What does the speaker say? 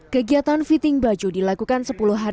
kegiatan fitting baju dilakukan sepuluh hari